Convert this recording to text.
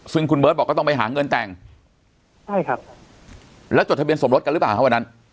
ซึ่งคุณเบิร์ตบอกก็ต้องไปหาเงินแต่งใช่ครับแล้วจดทะเบียนสมรสกันหรือเปล่าครับวันนั้น